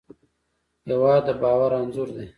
هېواد د باور انځور دی.